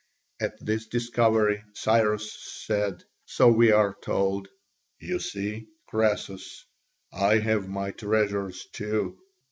At this discovery Cyrus said, so we are told, "You see, Croesus, I have my treasures too.